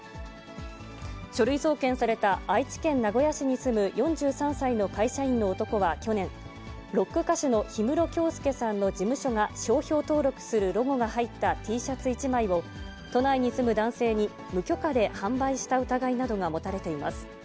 書類送検された、愛知県名古屋市に住む４３歳の会社員の男は去年、ロック歌手の氷室京介さんの事務所が商標登録するロゴが入ったＴシャツ１枚を、都内に住む男性に無許可で販売した疑いなどが持たれています。